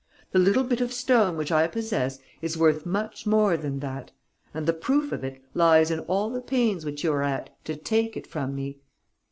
The little bit of stone which I possess is worth much more than that. And the proof of it lies in all the pains which you are at to take it from me.